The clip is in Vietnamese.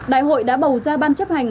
đại hội đã bầu ra ban chấp hành